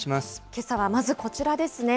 けさはまずこちらですね。